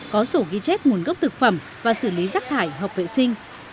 có sổ ghi chép nguồn gốc thực phẩm và xử lý rác thải hợp vệ sinh